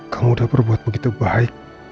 kamu sudah berbuat begitu baik